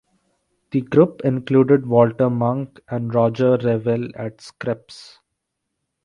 The group included Walter Munk and Roger Revelle at Scripps.